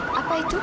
saya mau ke rumah